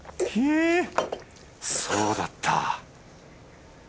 ひぇそうだった